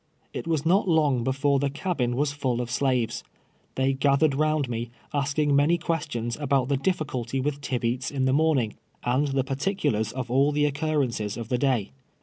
It was not long before the cabin was full of slaves. They gathered round me, asking many questions about the diiiiculty with Tibeats in the morning — and the particulars of all the occurrences of the day.